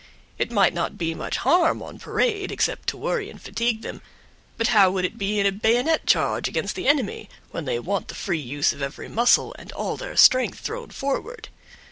It might not be much harm on parade, except to worry and fatigue them; but how would it be in a bayonet charge against the enemy, when they want the free use of every muscle, and all their strength thrown forward?